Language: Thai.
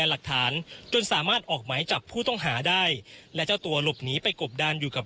หลักฐานจนสามารถออกหมายจับผู้ต้องหาได้และเจ้าตัวหลบหนีไปกบดานอยู่กับ